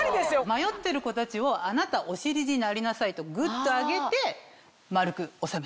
迷ってるコたちを「あなたお尻になりなさい」とグッと上げて丸く収めた。